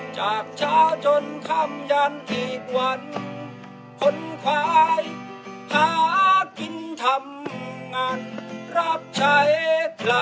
จากชาชนคำยันอีกวันคนควายหากินทำงานรับใช้พระ